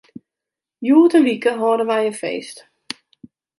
Hjoed in wike hâlde wy in feest.